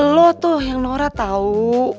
lo tuh yang nora tahu